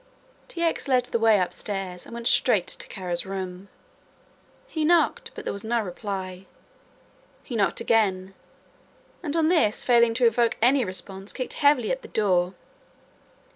T. X. led the way upstairs, and went straight to Kara's room. He knocked, but there was no reply. He knocked again and on this failing to evoke any response kicked heavily at the door.